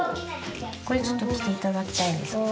これちょっと着て頂きたいんですけど。